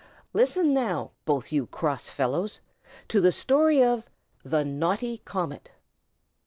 Listen, now, both you cross fellows, to the story of THE NAUGHTY COMET.